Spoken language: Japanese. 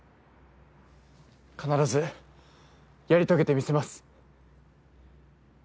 必ずやり遂げてみせます。